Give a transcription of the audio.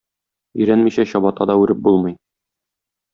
Өйрәнмичә чабата да үреп булмый.